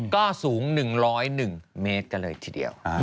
ก็สูง๑๐๑เมตรกันเลยทีเดียว